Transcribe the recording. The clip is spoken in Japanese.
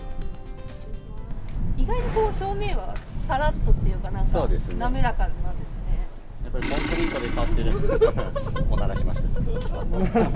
意外に表面はさらっとっていうか、なんか、おならしましたね。